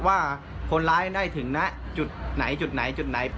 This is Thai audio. ว่าคนร้ายได้ถึงนะจุดไหนจุดไหนจุดไหน